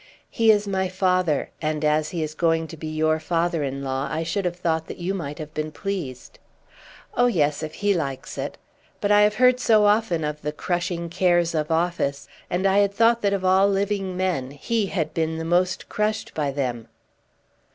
"He is my father, and as he is going to be your father in law I should have thought that you might have been pleased." "Oh, yes; if he likes it. But I have heard so often of the crushing cares of office, and I had thought that of all living men he had been the most crushed by them."